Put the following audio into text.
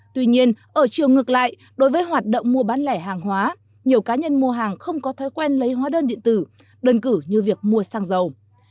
tuy nhiên ở chiều ngược lại đối với hoạt động mua bán lẻ hàng hóa nhiều cá nhân mua hàng không có thói quen lấy hóa đơn điện tử đơn cử như việc mua xăng dầu